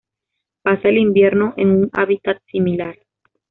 Pasa el invierno en un hábitat similar.